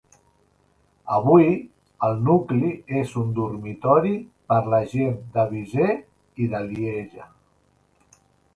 Avui, el nucli és un dormitori per la gent de Visé i de Lieja.